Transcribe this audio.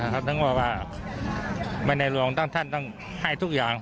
เขาถึงว่าในหลวงท่านต้องให้ทุกอย่าง